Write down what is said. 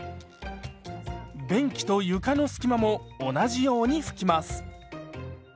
便器と床の隙間も同じように拭きます。